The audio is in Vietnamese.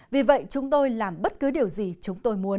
vì vậy chúng tôi làm bất cứ điều gì chúng tôi muốn